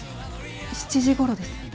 ７時頃です。